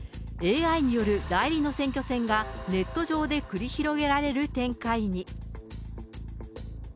ＡＩによる代理の選挙戦がネット上で繰り広げられる展開に。